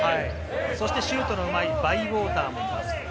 そしてシュートのうまいバイウォーターもいます。